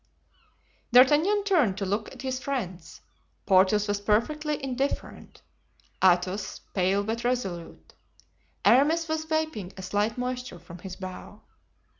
D'Artagnan turned to look at his friends. Porthos was perfectly indifferent; Athos, pale, but resolute; Aramis was wiping a slight moisture from his brow.